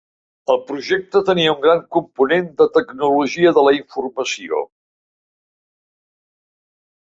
El projecte tenia un gran component de tecnologia de la informació.